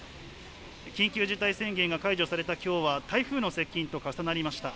緊急事態宣言が解除されたきょうは台風の接近と重なりました。